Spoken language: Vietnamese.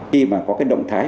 khi mà có cái động thái